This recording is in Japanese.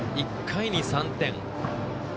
１回に３点。